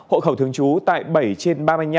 hộ khẩu thường trú tại bảy trên ba mươi năm